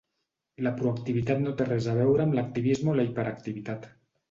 La proactivitat no té res a veure amb l'activisme o la hiperactivitat.